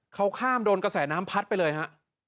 เขาข้ามโดนกระแสน้ำพัดไปเลยฮะ